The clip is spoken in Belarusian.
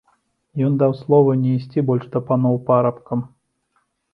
Ён даў слова не ісці больш да паноў парабкам.